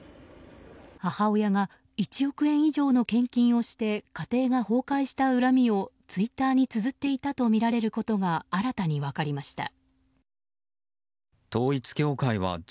母親が１億円以上の献金をして家庭が崩壊した恨みをツイッターにつづっていたとみられることが新たに分かりました。